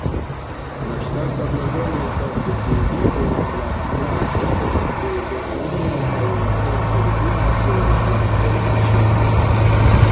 La ŝtata blazono estas bildigo la flago de Bosnio kaj Hercegovino sur blazonŝildo.